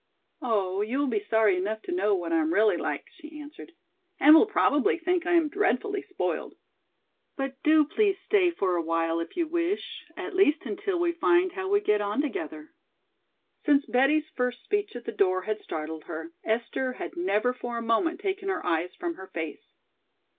"Oh, you will be sorry enough to know what I am really like," she answered, "and will probably think I am dreadfully spoiled. But do please stay for a while if you wish, at least until we find how we get on together." Since Betty's first speech at the door had startled her, Esther had never for a moment taken her eyes from her face.